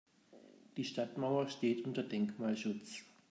Die Stadtmauer steht unter Denkmalschutz.